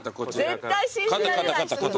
絶対信じられない。